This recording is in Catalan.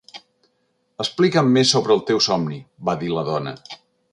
"Explica'm més sobre el teu somni", va dir la dona.